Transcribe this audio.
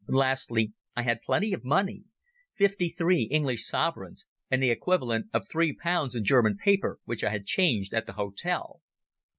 Lastly I had plenty of money—fifty three English sovereigns and the equivalent of three pounds in German paper which I had changed at the hotel.